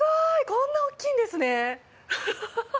こんな大きいんですね。